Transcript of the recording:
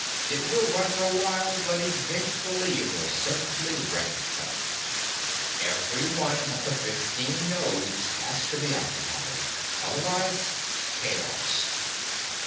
It will run for a while, but eventually it will simply wreck itself. Every one of the fifteen nodes has to be occupied. Otherwise chaos."